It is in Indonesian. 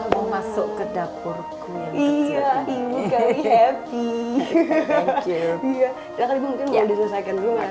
kami berjalan ke sana